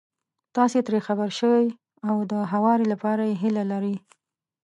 تاسې ترې خبر شوي او د هواري لپاره يې هيله لرئ.